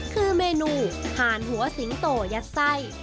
คือเมนูห่านหัวสิงโตยัดไส้